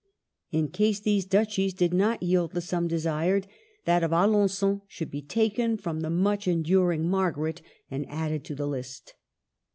In case these duchies did not yield the sum desired, that of Alengon should be taken from the much enduring Margaret and added to the list.